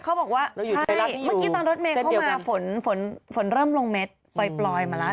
เขาบอกว่าใช่เมื่อกี้ตอนรถเมย์เข้ามาฝนฝนเริ่มลงเม็ดปล่อยมาแล้ว